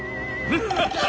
・ハハハハハ。